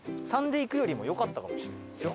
「３」で行くよりも良かったかもしれないですよ。